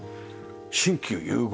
新旧融合。